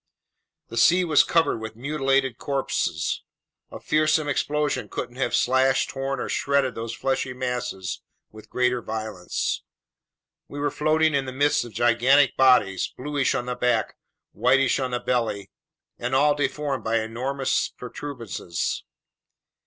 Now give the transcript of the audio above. The sea was covered with mutilated corpses. A fearsome explosion couldn't have slashed, torn, or shredded these fleshy masses with greater violence. We were floating in the midst of gigantic bodies, bluish on the back, whitish on the belly, and all deformed by enormous protuberances.